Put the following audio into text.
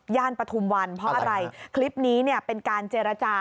ปฐุมวันเพราะอะไรคลิปนี้เนี่ยเป็นการเจรจา